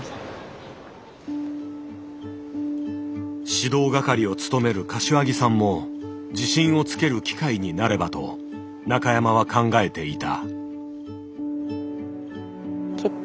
指導係を務める柏木さんも自信をつける機会になればと中山は考えていた。